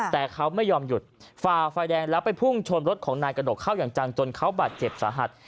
แต่เขาไม่ยอมหยุดฝ่าไฟแดงแล้วไปพุ่งชนรถของนายกระหนกเข้าอย่างจังจนเขาบาดเจ็บสาหัส